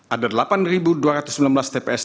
ada delapan dua ratus sembilan belas tps